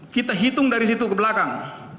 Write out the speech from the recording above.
kita hitung dari situ ke belakang